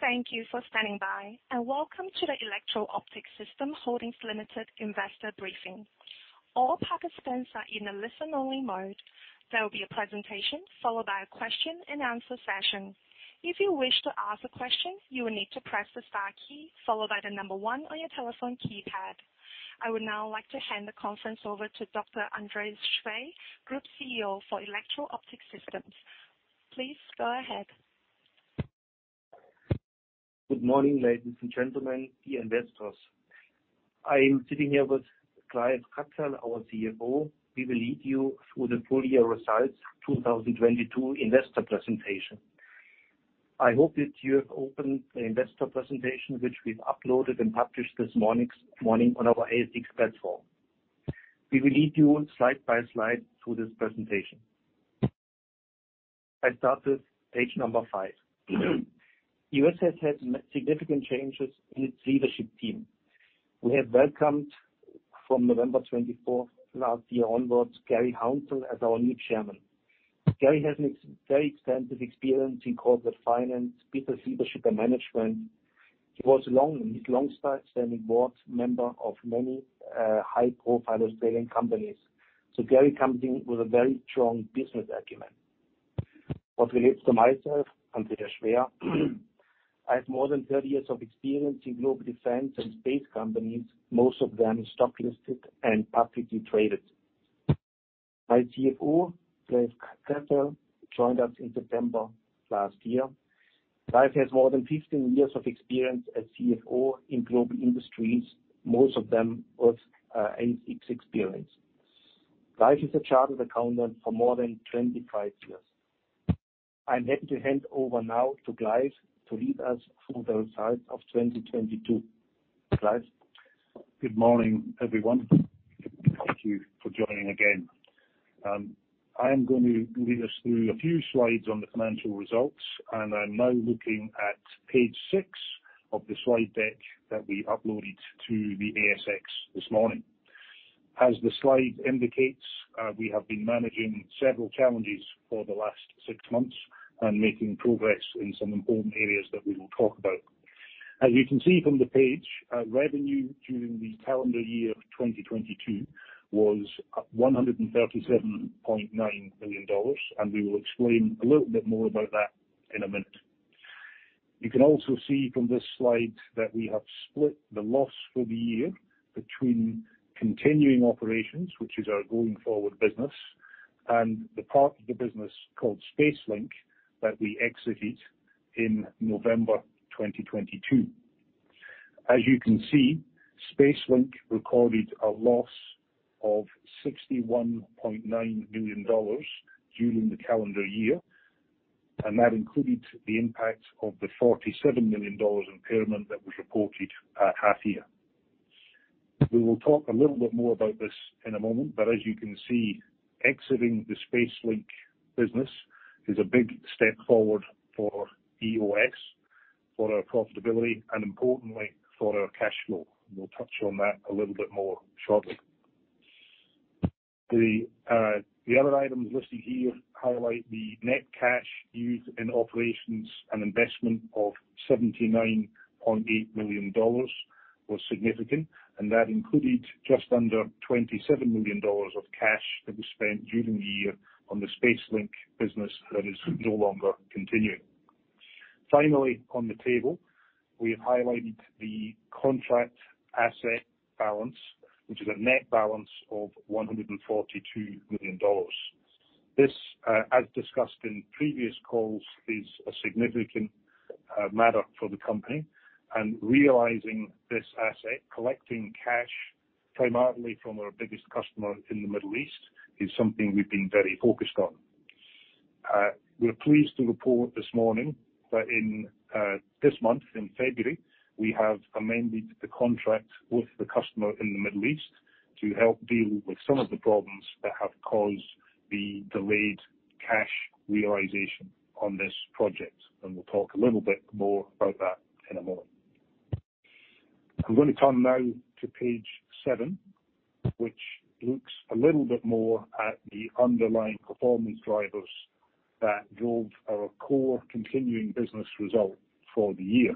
Thank you for standing by, and welcome to the Electro Optic Systems Holdings Limited investor briefing. All participants are in a listen only mode. There will be a presentation followed by a question and answer session. If you wish to ask a question, you will need to press the star key followed by the number one on your telephone keypad. I would now like to hand the conference over to Dr. Andreas Schwer, Group CEO for Electro Optic Systems. Please go ahead. Good morning, ladies and gentlemen, dear investors. I am sitting here with Clive Cuthell, our CFO. We will lead you through the full year results 2022 investor presentation. I hope that you have opened the investor presentation, which we've uploaded and published this morning on our ASX platform. We will lead you slide by slide through this presentation. I start with page number five. EOS has had significant changes in its leadership team. We have welcomed from November 24th last year onwards, Garry Hounsell as our new Chairman. Garry has a very extensive experience in corporate finance, business leadership, and management. He was long, his long-standing board member of many high-profile Australian companies. Garry comes in with a very strong business acumen. With regards to myself, Andreas Schwer, I have more than 30 years of experience in global defense and space companies, most of them stock-listed and publicly traded. My CFO, Clive Cuthell, joined us in September last year. Clive has more than 15 years of experience as CFO in global industries, most of them with ASX experience. Clive is a chartered accountant for more than 25 years. I'm happy to hand over now to Clive to lead us through the results of 2022. Clive. Good morning, everyone. Thank you for joining again. I am going to lead us through a few slides on the financial results. I'm now looking at page six of the slide deck that we uploaded to the ASX this morning. As the slide indicates, we have been managing several challenges for the last six months and making progress in some important areas that we will talk about. As you can see from the page, revenue during the calendar year of 2022 was 137.9 million dollars. We will explain a little bit more about that in a minute. You can also see from this slide that we have split the loss for the year between continuing operations, which is our going forward business, and the part of the business called SpaceLink that we exited in November 2022. As you can see, SpaceLink recorded a loss of 61.9 million dollars during the calendar year, and that included the impact of the 47 million dollars impairment that was reported half year. We will talk a little bit more about this in a moment, but as you can see, exiting the SpaceLink business is a big step forward for EOS, for our profitability, and importantly, for our cash flow. We'll touch on that a little bit more shortly. The other items listed here highlight the net cash used in operations and investment of 79.8 million dollars was significant, and that included just under 27 million dollars of cash that was spent during the year on the SpaceLink business that is no longer continuing. On the table, we have highlighted the contract asset balance, which is a net balance of $142 million. This, as discussed in previous calls, is a significant matter for the company. Realizing this asset, collecting cash, primarily from our biggest customer in the Middle East, is something we've been very focused on. We're pleased to report this morning that in this month, in February, we have amended the contract with the customer in the Middle East to help deal with some of the problems that have caused the delayed cash realization on this project. We'll talk a little bit more about that in a moment. I'm gonna turn now to page seven, which looks a little bit more at the underlying performance drivers that drove our core continuing business result for the year.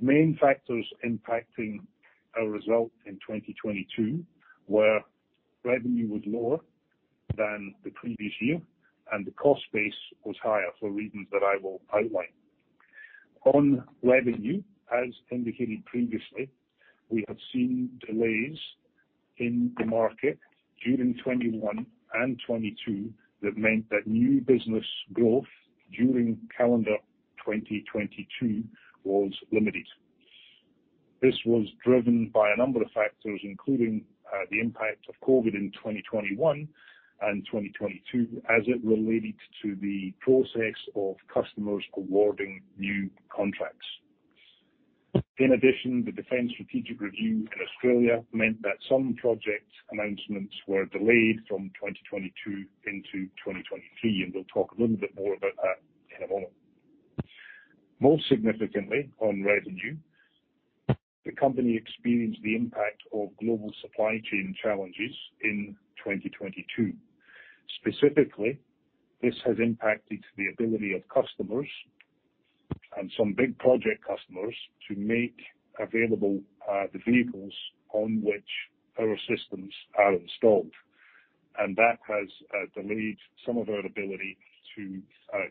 Main factors impacting our result in 2022 were revenue was lower than the previous year and the cost base was higher for reasons that I will outline. On revenue, as indicated previously, we have seen delays in the market during 2021 and 2022 that meant that new business growth during calendar 2022 was limited. This was driven by a number of factors, including the impact of COVID in 2021 and 2022 as it related to the process of customers awarding new contracts. In addition, the Defence Strategic Review in Australia meant that some project announcements were delayed from 2022 into 2023, and we'll talk a little bit more about that in a moment. Most significantly on revenue, the company experienced the impact of global supply chain challenges in 2022. Specifically, this has impacted the ability of customers and some big project customers to make available the vehicles on which our systems are installed. That has delayed some of our ability to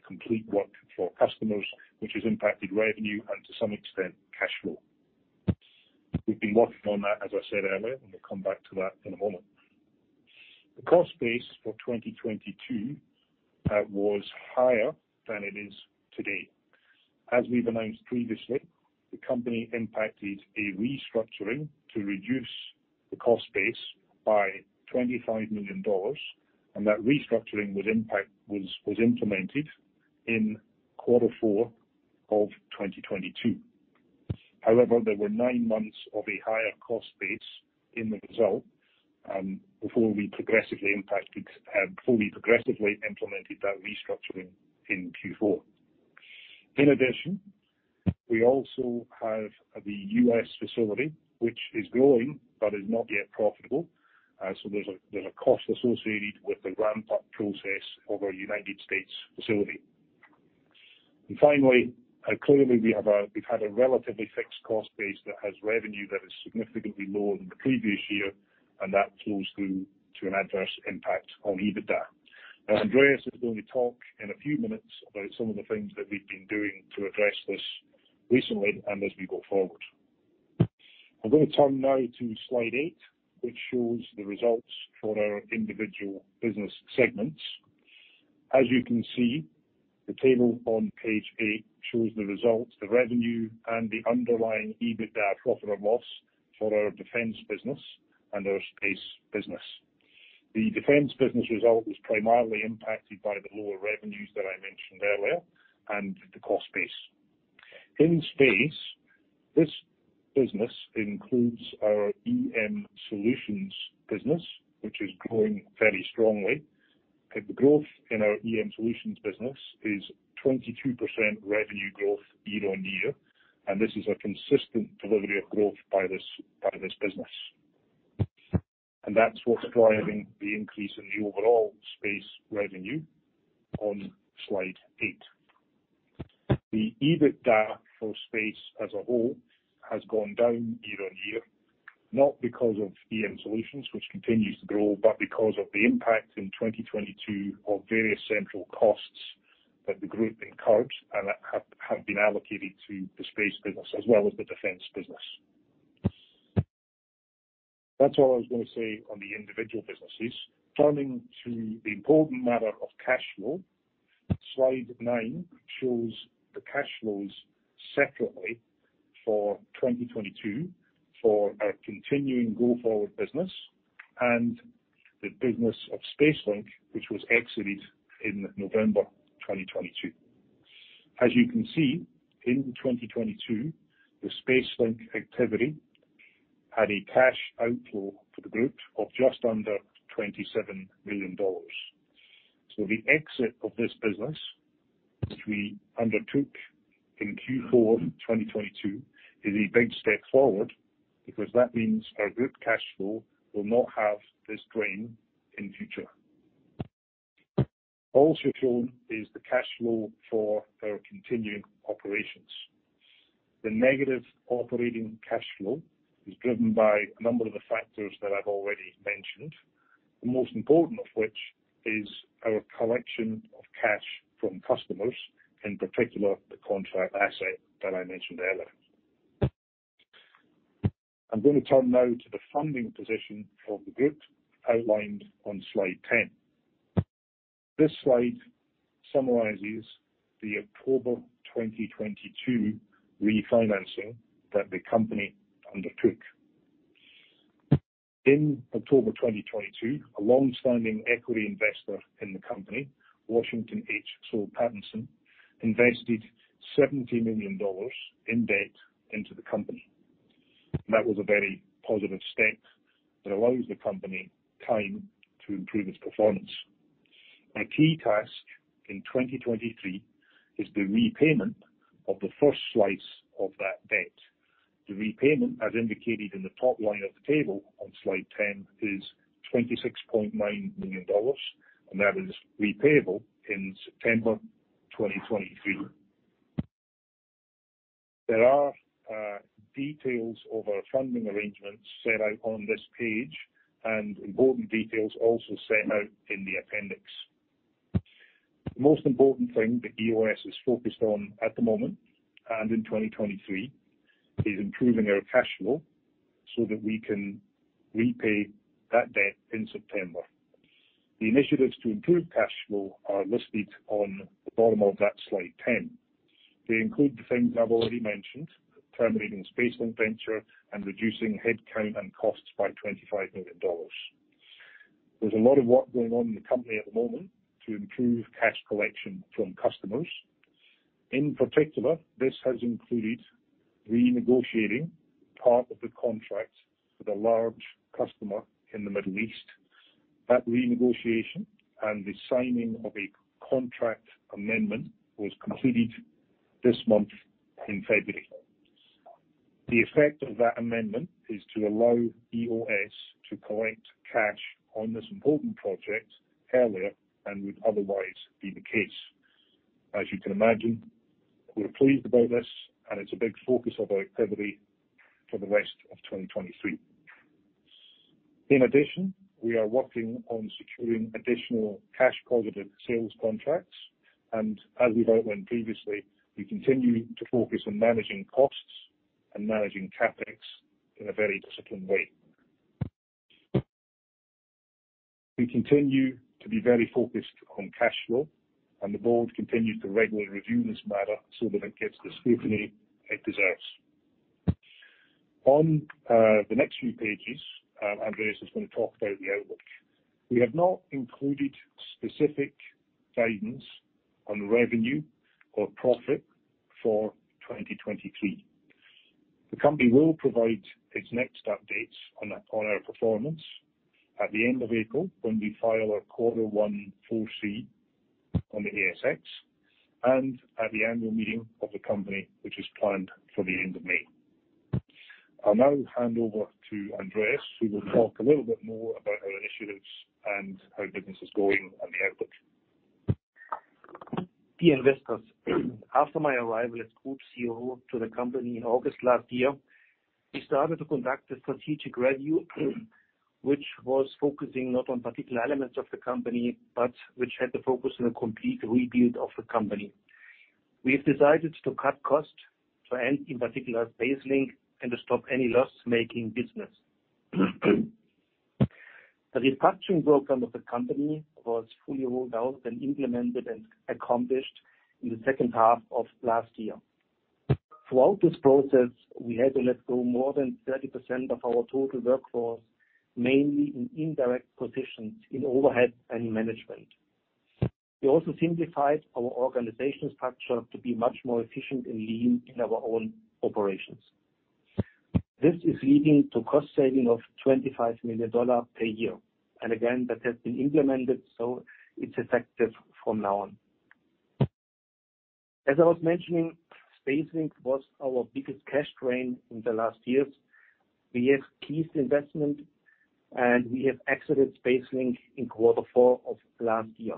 complete work for customers, which has impacted revenue and to some extent, cash flow. We've been working on that, as I said earlier, and we'll come back to that in a moment. The cost base for 2022 was higher than it is today. As we've announced previously, the company impacted a restructuring to reduce the cost base by 25 million dollars, and that restructuring was implemented in Q4 of 2022. There were 9 months of a higher cost base in the result before we progressively implemented that restructuring in Q4. We also have the U.S. facility, which is growing but is not yet profitable. There's a cost associated with the ramp-up process of our United States facility. Finally, clearly we've had a relatively fixed cost base that has revenue that is significantly lower than the previous year, and that flows through to an adverse impact on EBITDA. Andreas is going to talk in a few minutes about some of the things that we've been doing to address this recently and as we go forward. I'm gonna turn now to slide eight, which shows the results for our individual business segments. As you can see, the table on page eight shows the results, the revenue, and the underlying EBITDA profit and loss for our defense business and our space business. The defense business result was primarily impacted by the lower revenues that I mentioned earlier and the cost base. In space, this business includes our EM Solutions business, which is growing very strongly. The growth in our EM Solutions business is 22% revenue growth year-on-year, and this is a consistent delivery of growth by this business. That's what's driving the increase in the overall space revenue on slide eight. The EBITDA for space as a whole has gone down year-on-year, not because of EM Solutions, which continues to grow, but because of the impact in 2022 of various central costs that the group incurred and that have been allocated to the space business as well as the defense business. That's all I was gonna say on the individual businesses. Turning to the important matter of cash flow. Slide nine shows the cash flows separately for 2022 for our continuing go-forward business and the business of SpaceLink, which was exited in November 2022. As you can see, in 2022, the SpaceLink activity had a cash outflow for the group of just under 27 million dollars. The exit of this business, which we undertook in Q4 2022, is a big step forward because that means our group cash flow will not have this drain in future. Also shown is the cash flow for our continuing operations. The negative operating cash flow is driven by a number of the factors that I've already mentioned, the most important of which is our collection of cash from customers, in particular the contract asset that I mentioned earlier. I'm gonna turn now to the funding position for the group outlined on slide 10. This slide summarizes the October 2022 refinancing that the company undertook. In October 2022, a long-standing equity investor in the company, Washington H. Soul Pattinson, invested 70 million dollars in debt into the company. That was a very positive step that allows the company time to improve its performance. A key task in 2023 is the repayment of the first slice of that debt. The repayment, as indicated in the top line of the table on slide 10, is 26.9 million dollars, and that is repayable in September 2023. There are details of our funding arrangements set out on this page, and important details also set out in the appendix. The most important thing that EOS is focused on at the moment and in 2023 is improving our cash flow so that we can repay that debt in September. The initiatives to improve cash flow are listed on the bottom of that slide 10. They include the things I've already mentioned, terminating SpaceLink venture and reducing head count and costs by $25 million. There's a lot of work going on in the company at the moment to improve cash collection from customers. In particular, this has included renegotiating part of the contract with a large customer in the Middle East. That renegotiation and the signing of a contract amendment was completed this month in February. The effect of that amendment is to allow EOS to collect cash on this important project earlier than would otherwise be the case. As you can imagine, we're pleased about this and it's a big focus of our activity for the rest of 2023. We are working on securing additional cash positive sales contracts, and as we've outlined previously, we continue to focus on managing costs and managing CapEx in a very disciplined way. We continue to be very focused on cash flow, the board continues to regularly review this matter so that it gets the scrutiny it deserves. The next few pages, Andreas is gonna talk about the outlook. We have not included specific guidance on revenue or profit for 2023. The company will provide its next updates on our performance at the end of April when we file our Q1 4C on the ASX and at the annual meeting of the company, which is planned for the end of May. I'll now hand over to Andreas who will talk a little bit more about our initiatives and how business is going and the outlook. Dear investors, after my arrival as group CEO to the company in August last year, we started to conduct a strategic review, which was focusing not on particular elements of the company, but which had the focus on a complete rebuild of the company. We have decided to cut costs, so and in particular, SpaceLink, and to stop any loss-making business. The restructuring program of the company was fully rolled out and implemented and accomplished in the second half of last year. Throughout this process, we had to let go more than 30% of our total workforce, mainly in indirect positions in overhead and management. We also simplified our organizational structure to be much more efficient and lean in our own operations. This is leading to cost saving of 25 million dollars per year, and again, that has been implemented, so it's effective from now on. As I was mentioning, SpaceLink was our biggest cash drain in the last years. We have ceased investment, we have exited SpaceLink in quarter four of last year.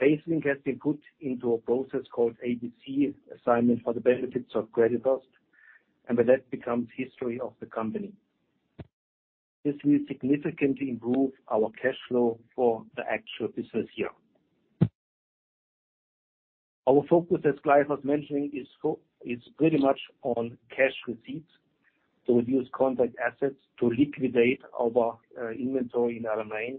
SpaceLink has been put into a process called ABC Assignment for the Benefit of Creditors, with that becomes history of the company. This will significantly improve our cash flow for the actual business year. Our focus, as Clive was mentioning, is pretty much on cash receipts to reduce contract assets, to liquidate our inventory in our main,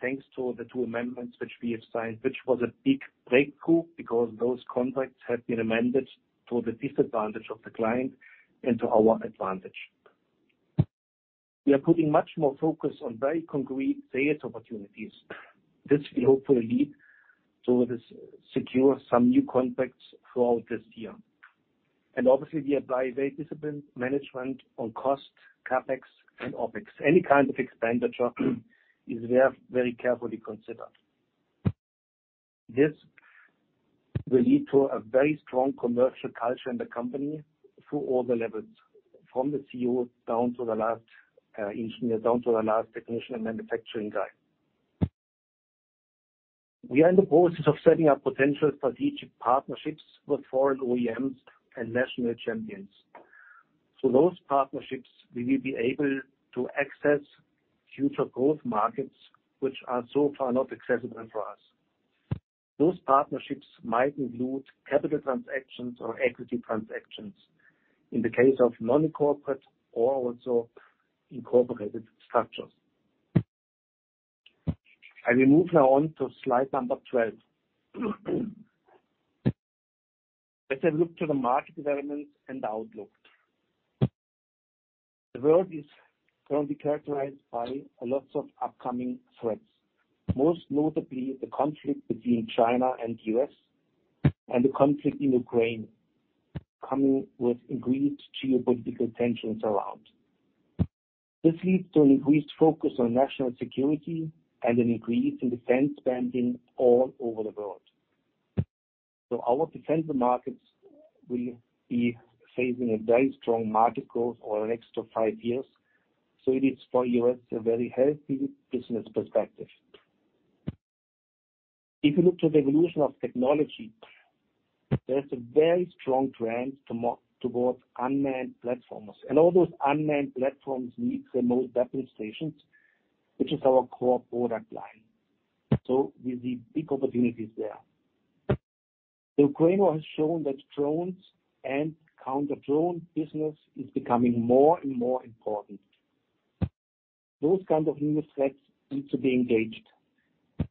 thanks to the two amendments which we have signed, which was a big breakthrough because those contracts have been amended to the disadvantage of the client and to our advantage. We are putting much more focus on very concrete sales opportunities. This will hopefully lead to us secure some new contracts throughout this year. Obviously, we apply very disciplined management on cost, CapEx and OpEx. Any kind of expenditure is very, very carefully considered. This will lead to a very strong commercial culture in the company through all the levels, from the CEO down to the last engineer, down to the last technician and manufacturing guy. We are in the process of setting up potential strategic partnerships with foreign OEMs and national champions. Through those partnerships, we will be able to access future growth markets which are so far not accessible for us. Those partnerships might include capital transactions or equity transactions in the case of non-corporate or also incorporated structures. I will move now on to slide number 12. Let's have a look to the market development and outlook. The world is currently characterized by a lot of upcoming threats, most notably the conflict between China and U.S. and the conflict in Ukraine coming with increased geopolitical tensions around. This leads to an increased focus on national security and an increase in defense spending all over the world. Our defense markets will be facing a very strong market growth over the next 2-5 years, so it is for us a very healthy business perspective. If you look to the evolution of technology, there's a very strong trend towards unmanned platforms, and all those unmanned platforms need the most weapon stations, which is our core product line. We see big opportunities there. The Ukraine war has shown that drones and counter-drone business is becoming more and more important. Those kind of new threats need to be engaged,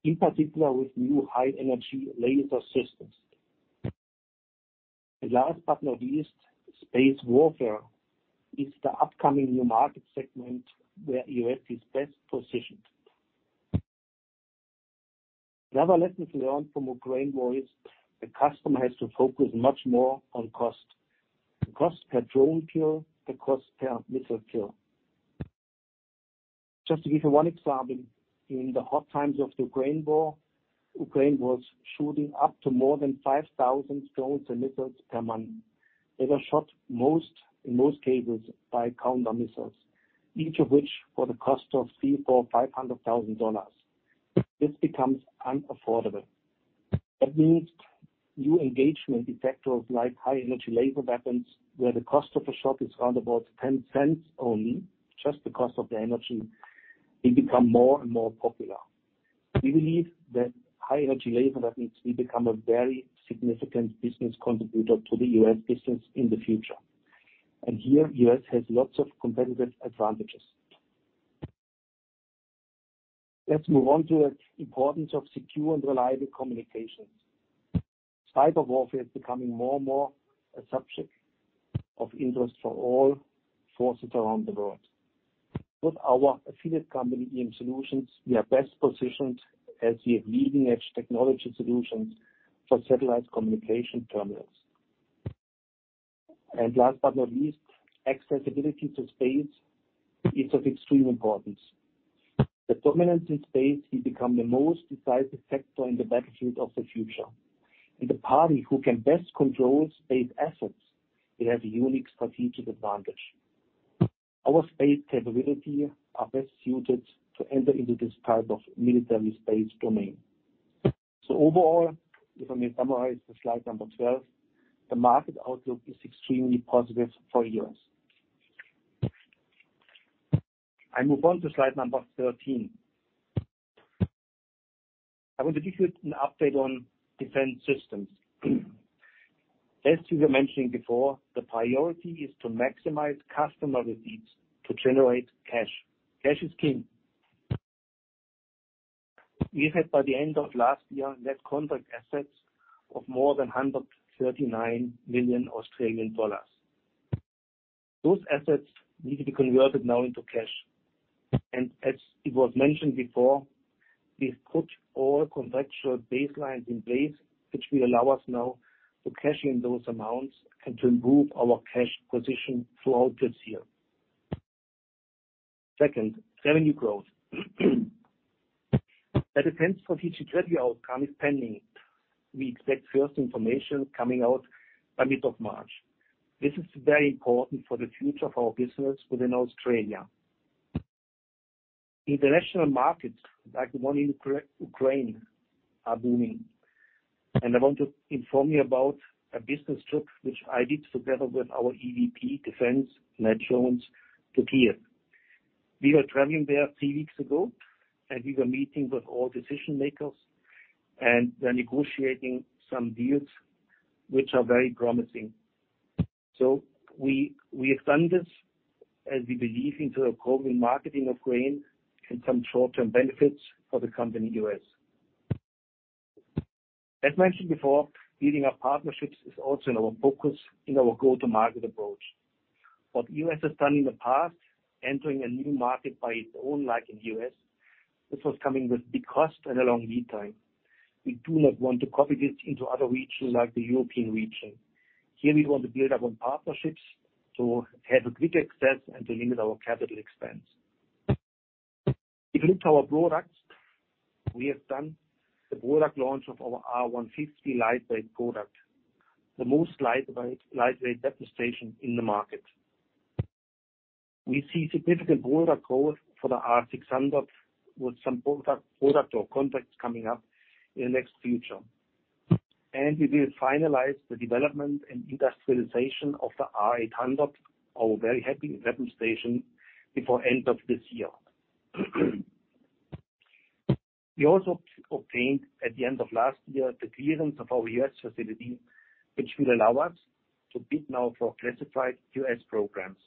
in particular with new high energy laser systems. Last but not least, space warfare is the upcoming new market segment where EOS is best positioned. Another lesson learned from the Ukraine war is the customer has to focus much more on cost. The cost per drone kill, the cost per missile kill. Just to give you one example, in the hard times of the Ukraine war, Ukraine was shooting up to more than 5,000 drones and missiles per month. They were shot most, in most cases by counter missiles, each of which for the cost of 300,000, 400,000, 500,000 dollars. This becomes unaffordable. New engagement effectors like high-energy laser weapons, where the cost of a shot is around about 0.10 only, just the cost of the energy, they become more and more popular. We believe that high-energy laser weapons will become a very significant business contributor to the U.S. business in the future. Here, U.S. has lots of competitive advantages. Let's move on to the importance of secure and reliable communications. Cyber warfare is becoming more and more a subject of interest for all forces around the world. With our affiliate company, EM Solutions, we are best positioned as the leading-edge technology solutions for satellite communication terminals. Last but not least, accessibility to space is of extreme importance. The dominance in space will become the most decisive factor in the battlefield of the future. The party who can best control space assets will have a unique strategic advantage. Our space capability are best suited to enter into this type of military space domain. Overall, if I may summarize the slide 12, the market outlook is extremely positive for EOS. I move on to slide 13. I want to give you an update on Defence Systems. As we were mentioning before, the priority is to maximize customer receipts to generate cash. Cash is king. We had, by the end of last year, net contract assets of more than 139 million Australian dollars. Those assets need to be converted now into cash. As it was mentioned before, we've put all contractual baselines in place, which will allow us now to cash in those amounts and to improve our cash position throughout this year. Second, revenue growth. The Defence Future 20 outcome is pending. We expect first information coming out by mid of March. This is very important for the future of our business within Australia. International markets, like the one in Ukraine are booming. I want to inform you about a business trip which I did together with our EVP, Defence, Matt Jones, to Kiev. We were traveling there three weeks ago, and we were meeting with all decision makers, and we're negotiating some deals which are very promising. We extend this as we believe into the growing market in Ukraine and some short-term benefits for the company U.S. As mentioned before, building up partnerships is also in our focus in our go-to-market approach. What U.S. has done in the past, entering a new market by its own, like in U.S., this was coming with big cost and a long lead time. We do not want to copy this into other regions like the European region. Here, we want to build up on partnerships to have a quick access and to limit our capital expense. We built our products. We have done the product launch of our R150 lightweight product, the most lightweight weapon station in the market. We see significant product growth for the R600, with some product or contracts coming up in the next future. We will finalize the development and industrialization of the R800, our very heavy weapon station before end of this year. We also obtained at the end of last year, the clearance of our U.S. facility, which will allow us to bid now for classified U.S. programs.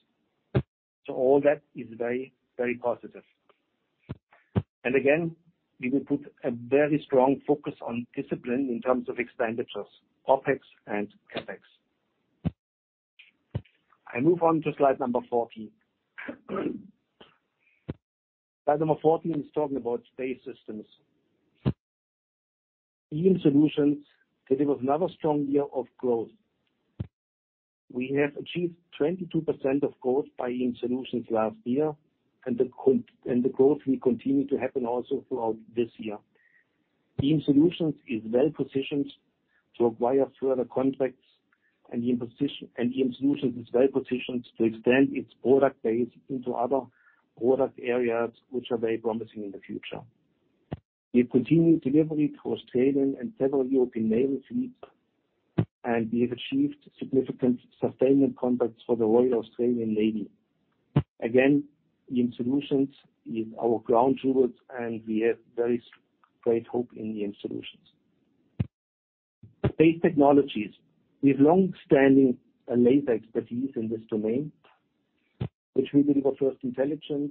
All that is very positive. Again, we will put a very strong focus on discipline in terms of expenditures, OpEx and CapEx. I move on to slide number 14. Slide number 14 is talking about space systems. EM Solutions delivered another strong year of growth. We have achieved 22% of growth by EM Solutions last year, and the growth will continue to happen also throughout this year. EM Solutions is well-positioned to acquire further contracts, and EM Solutions is well-positioned to extend its product base into other product areas, which are very promising in the future. We have continued delivery to Australian and several European naval fleets, and we have achieved significant sustainment contracts for the Royal Australian Navy. Again, EM Solutions is our ground jewels, and we have very great hope in EM Solutions. Space technologies. We have long-standing and laser expertise in this domain, which we deliver first intelligence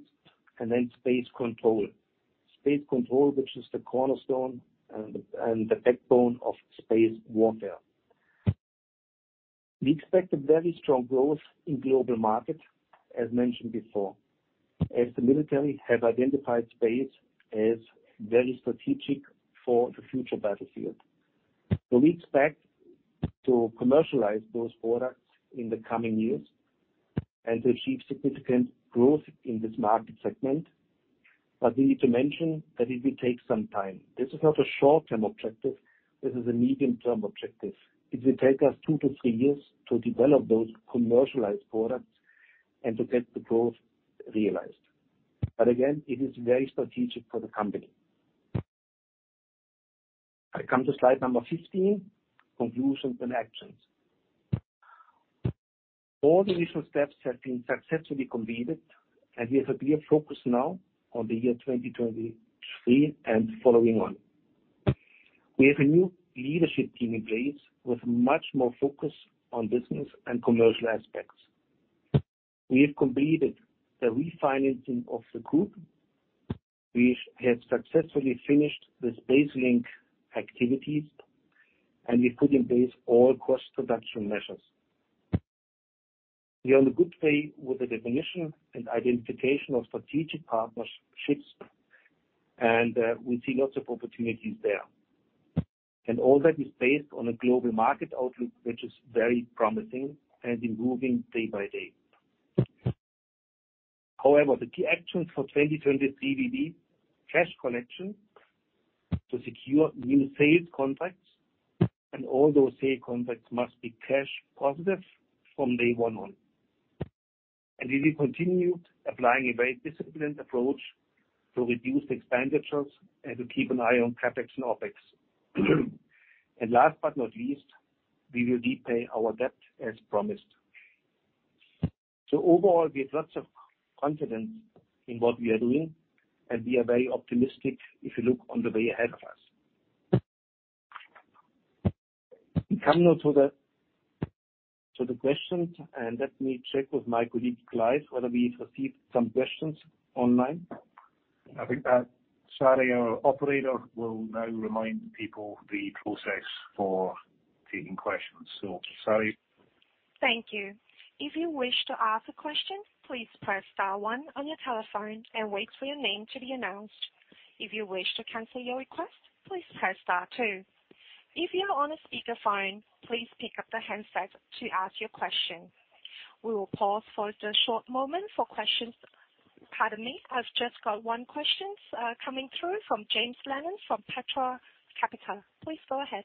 and then space control. Space control, which is the cornerstone and the backbone of space warfare. We expect a very strong growth in global market, as mentioned before, as the military have identified space as very strategic for the future battlefield. We expect to commercialize those products in the coming years and achieve significant growth in this market segment. We need to mention that it will take some time. This is not a short-term objective, this is a medium-term objective. It will take us two to three years to develop those commercialized products and to get the growth realized. Again, it is very strategic for the company. I come to slide number 15: Conclusions and Actions. All the initial steps have been successfully completed, and we have a clear focus now on the year 2023 and following on. We have a new leadership team in place with much more focus on business and commercial aspects. We have completed the refinancing of the group. We have successfully finished the SpaceLink activities, and we put in place all cost reduction measures. We are on a good pace with the definition and identification of strategic partnerships, and we see lots of opportunities there. All that is based on a global market outlook, which is very promising and improving day by day. However, the key actions for 2023 will be cash collection to secure new sale contracts, and all those sale contracts must be cash positive from day one on. We will continue applying a very disciplined approach to reduce expenditures and to keep an eye on CapEx and OpEx. Last but not least, we will repay our debt as promised. Overall, we have lots of confidence in what we are doing, and we are very optimistic if you look on the way ahead of us. We come now to the questions, and let me check with my colleague, Clive, whether we received some questions online. I think that Sally, our operator, will now remind people the process for taking questions. Sally? Thank you. If you wish to ask a question, please press star one on your telephone and wait for your name to be announced. If you wish to cancel your request, please press star two. If you're on a speakerphone, please pick up the handset to ask your question. We will pause for just a short moment for questions. Pardon me, I've just got one question coming through from James Lennon from Petra Capital. Please go ahead.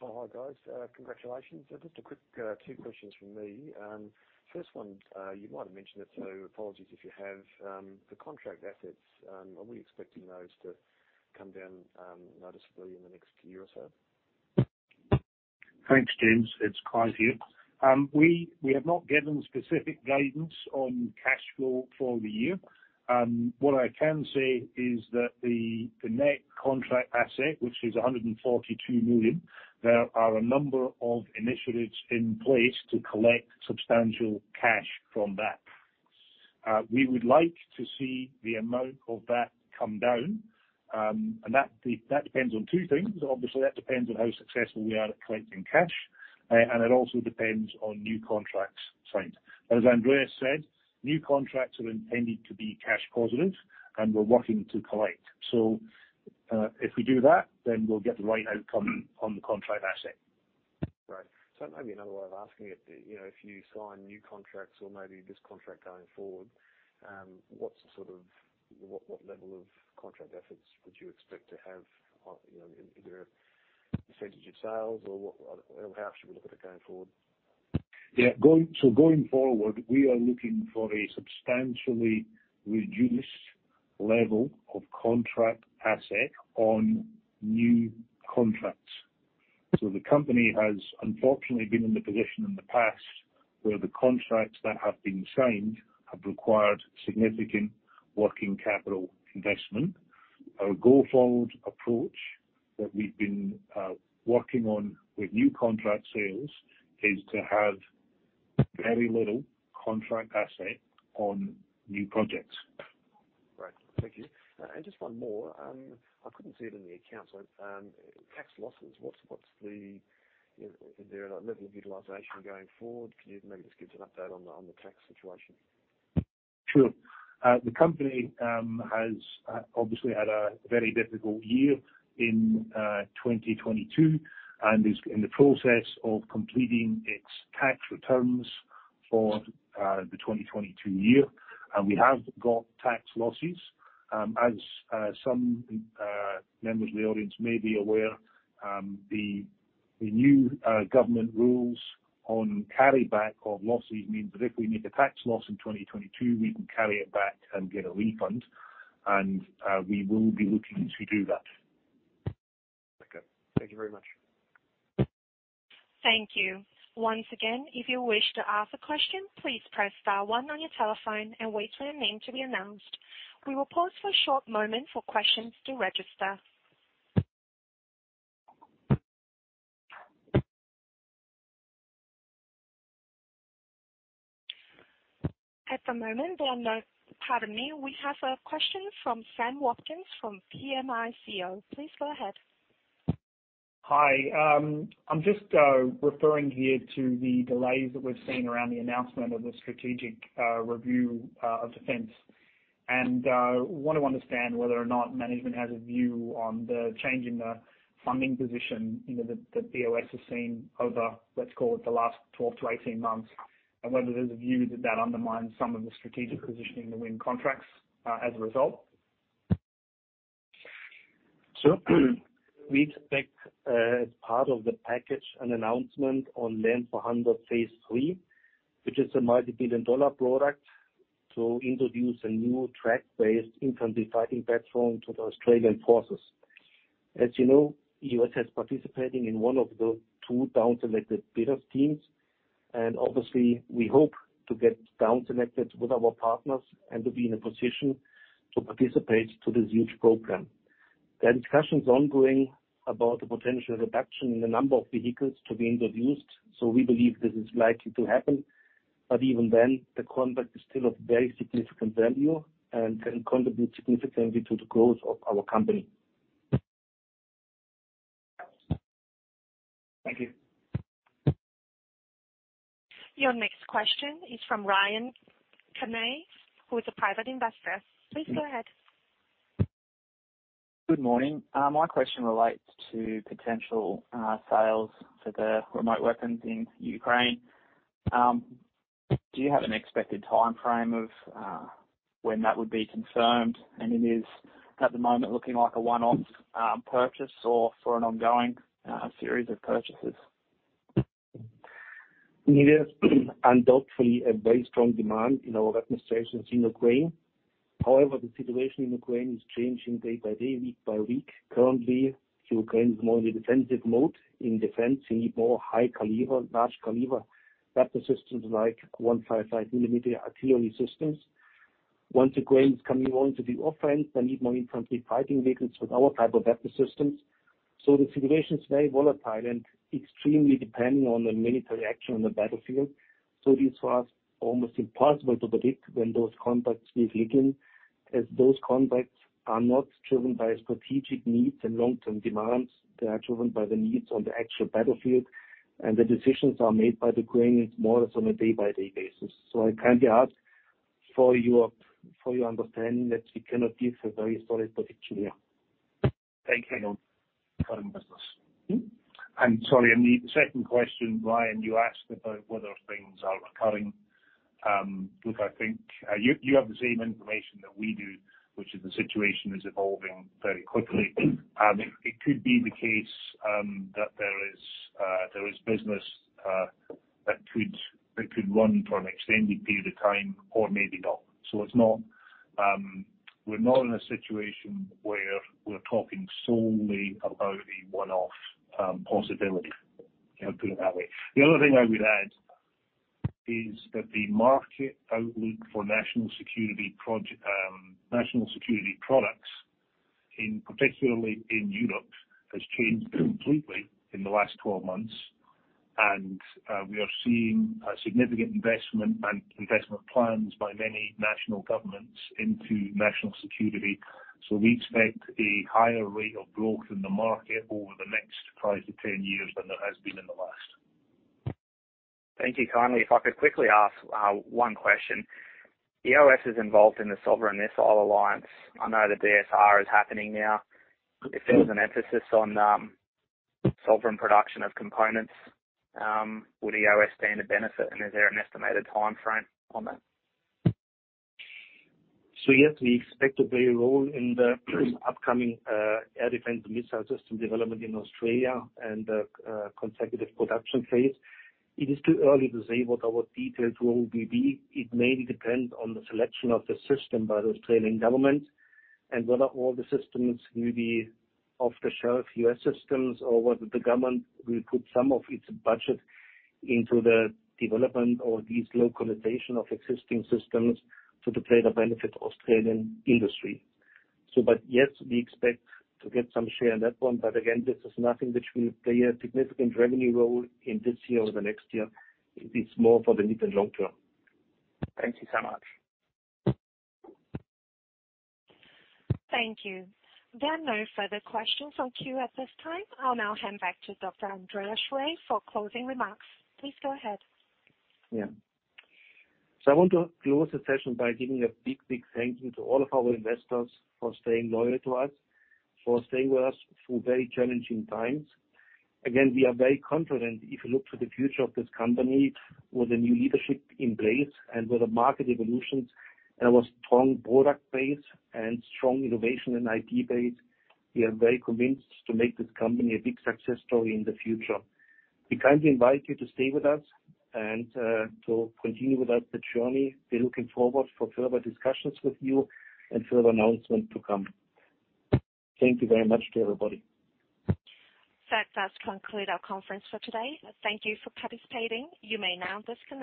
Oh, hi, guys. Congratulations. Just a quick, two questions from me. First one, you might have mentioned it, so apologies if you have. The contract assets, are we expecting those to come down noticeably in the next year or so? Thanks, James. It's Clive here. We have not given specific guidance on cash flow for the year. What I can say is that the net contract asset, which is 142 million, there are a number of initiatives in place to collect substantial cash from that. We would like to see the amount of that come down, and that depends on two things. Obviously, that depends on how successful we are at collecting cash, and it also depends on new contracts signed. As Andreas said, new contracts are intended to be cash positive, and we're working to collect. If we do that, we'll get the right outcome on the contract asset. Right. Maybe another way of asking it, you know, if you sign new contracts or maybe this contract going forward, what's the sort of... what level of contract efforts would you expect to have? You know, is there a % of sales or How should we look at it going forward? Yeah. Going forward, we are looking for a substantially reduced level of contract asset on new contracts. The company has unfortunately been in the position in the past where the contracts that have been signed have required significant working capital investment. Our go-forward approach that we've been working on with new contract sales is to have very little contract asset on new projects. Right. Thank you. Just one more. I couldn't see it in the accounts. Tax losses. Is there a level of utilization going forward? Can you maybe just give us an update on the tax situation? Sure. The company has obviously had a very difficult year in 2022 and is in the process of completing its tax returns for the 2022 year. We have got tax losses. As some members of the audience may be aware, the new government rules on carryback of losses means that if we make a tax loss in 2022, we can carry it back and get a refund. We will be looking to do that. Okay. Thank you very much. Thank you. Once again, if you wish to ask a question, please press star one on your telephone and wait for your name to be announced. We will pause for a short moment for questions to register. At the moment, there are no... Pardon me. We have a question from Samuel Watkins from PIMCO. Please go ahead. Hi. I'm just referring here to the delays that we've seen around the announcement of the strategic review of defense. Want to understand whether or not management has a view on the change in the funding position, you know, that EOS has seen over, let's call it, the last 12-18 months. Whether there's a view that that undermines some of the strategic positioning to win contracts as a result. Sure. We expect, as part of the package, an announcement on LAND 400 phase III, which is a multi-billion AUD product to introduce a new track-based infantry fighting platform to the Australian forces. As you know, EOS has participating in one of the two downselected bidder teams, and obviously, we hope to get downselected with our partners and to be in a position to participate to this huge program. The discussion's ongoing about the potential reduction in the number of vehicles to be introduced, so we believe this is likely to happen. Even then, the contract is still of very significant value and can contribute significantly to the growth of our company. Thank you. Your next question is from Ryan Canney, who is a private investor. Please go ahead. Good morning. My question relates to potential sales for the remote weapons in Ukraine. Do you have an expected timeframe of when that would be confirmed? It is, at the moment, looking like a one-off purchase or for an ongoing series of purchases? It is undoubtedly a very strong demand in our administrations in Ukraine. The situation in Ukraine is changing day by day, week by week. Currently, Ukraine is more in the defensive mode. In defense, you need more high caliber, large caliber weapon systems, like 155 millimeter artillery systems. Once Ukraine is coming on to the offense, they need more infantry fighting vehicles with our type of weapon systems. The situation is very volatile and extremely dependent on the military action on the battlefield. This was almost impossible to predict when those contracts will begin, as those contracts are not driven by strategic needs and long-term demands. They are driven by the needs on the actual battlefield, and the decisions are made by the Ukrainians more or less on a day-by-day basis. I kindly ask for your understanding that we cannot give a very solid prediction here. Thank you. Current business. Sorry, the second question, Ryan, you asked about whether things are recurring. Look, I think you have the same information that we do, which is the situation is evolving very quickly. It could be the case that there is business that could run for an extended period of time or maybe not. It's not, we're not in a situation where we're talking solely about a one-off possibility. Can I put it that way? The other thing I would add is that the market outlook for national security products in, particularly in Europe, has changed completely in the last 12 months. We are seeing a significant investment and investment plans by many national governments into national security. we expect a higher rate of growth in the market over the next 5 to 10 years than there has been in the last. Thank you. Kindly, if I could quickly ask, one question. EOS is involved in the Sovereign Missile Alliance. I know the DSR is happening now. If there was an emphasis on, sovereign production of components, would EOS stand to benefit? Is there an estimated timeframe on that? Yes, we expect a big role in the upcoming air defense missile system development in Australia and the consecutive production phase. It is too early to say what our detailed role will be. It may depend on the selection of the system by the Australian government and whether all the systems will be off-the-shelf U.S. systems or whether the government will put some of its budget into the development or these localization of existing systems to the greater benefit Australian industry. Yes, we expect to get some share in that one. This is nothing which will play a significant revenue role in this year or the next year. It's more for the mid and long term. Thank you so much. Thank you. There are no further questions on queue at this time. I'll now hand back to Dr. Andreas Schwer for closing remarks. Please go ahead. I want to close the session by giving a big thank you to all of our investors for staying loyal to us, for staying with us through very challenging times. We are very confident if we look to the future of this company with the new leadership in place and with the market evolutions and our strong product base and strong innovation and IT base. We are very convinced to make this company a big success story in the future. We kindly invite you to stay with us and to continue with us the journey. We're looking forward for further discussions with you and further announcement to come. Thank you very much to everybody. That's conclude our conference for today. Thank you for participating. You may now disconnect.